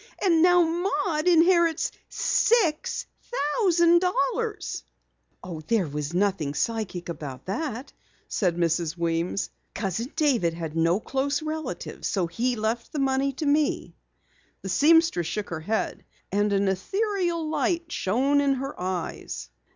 And now Maud inherits six thousand dollars!" "There was nothing psychic about that," said Mrs. Weems. "Cousin David had no close relatives so he left the money to me." The seamstress shook her head, and an ethereal light shone in her eyes.